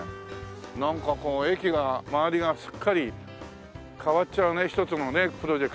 なんかこう駅が周りがすっかり変わっちゃうね一つのねプロジェクトで。